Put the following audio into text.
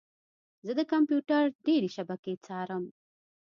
زه د کمپیوټر ډیرې شبکې څارم.